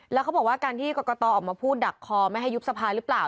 แล้วเขาบอกว่าการที่กรกตออกมาพูดดักคอไม่ให้ยุบสภาหรือเปล่า